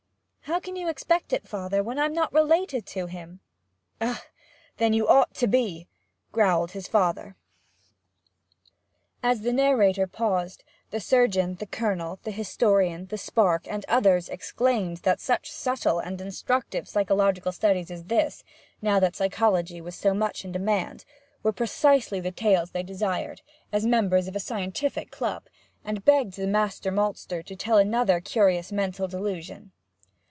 How can you expect it, father, when I'm not related to him?' 'Ugh! Then you ought to be!' growled his father. As the narrator paused, the surgeon, the Colonel, the historian, the Spark, and others exclaimed that such subtle and instructive psychological studies as this (now that psychology was so much in demand) were precisely the tales they desired, as members of a scientific club, and begged the master maltster to tell another curious mental delusion.